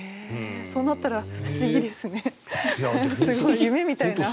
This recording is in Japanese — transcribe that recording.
そうなったら不思議ですね夢みたいな。